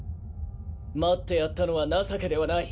待ってやったのは情けではない。